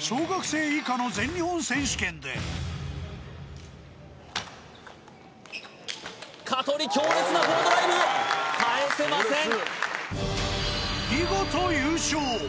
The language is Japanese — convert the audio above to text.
小学生以下の全日本選手権で見事優勝